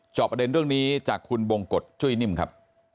จอบอเดินเรื่องนี้จากขุบงกฏช่วยนิ่มครับ